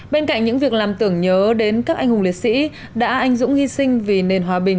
bên cạnh những việc làm tưởng nhớ đến các anh hùng liệt sĩ đã anh dũng hy sinh vì nền hòa bình